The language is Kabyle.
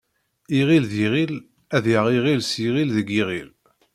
Iɣil d iɣil ad yaɣ iɣil s yiɣil deg yiɣil.